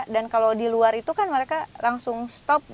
dan kalau di luar itu kan mereka langsung stop